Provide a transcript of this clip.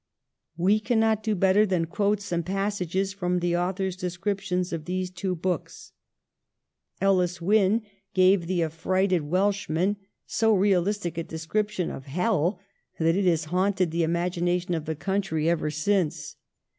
We cannot do better than quote some passages from the author's description of these two books. ' Ellis Wynn gave 1702 14 THE 'VISIONS' AND THE 'MIRROR.' 325 the aflfrighted Welshmen so realistic a description of hell that it has haunted the imagination of the country ever since.